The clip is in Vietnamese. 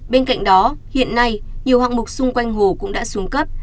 bên cạnh đó hiện nay nhiều hạng mục xung quanh hồ cũng đã xuống cấp